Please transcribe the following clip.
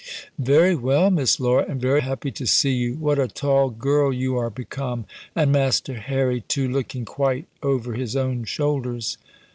"Very well, Miss Laura, and very happy to see you. What a tall girl you are become! and Master Harry too! looking quite over his own shoulders!"